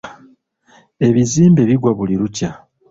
Ebizimbe bigwa buli lukya.